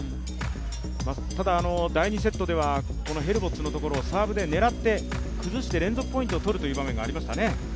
ただ、第２セットではこのヘルボッツのところをサーブで狙って崩して連続ポイントを取るという場面がありましたね。